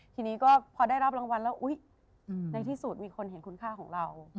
ทีนี้ก็พอได้รับรางวัลแล้วอุ๊ยในที่สุดมีคนเห็นคุณค่าของเรา